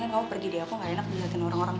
nengkeh kamu pergi deh aku ga enak liatin orang orang